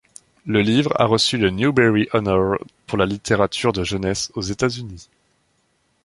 Le livre a reçu le Newbery Honor pour la littérature de jeunesse aux États-Unis.